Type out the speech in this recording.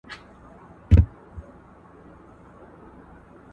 له هيبته يې لړزېږي اندامونه!!